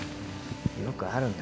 よくあるんだ。